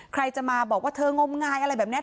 ใครจะมาบอกว่าเธองมงายอะไรแบบนี้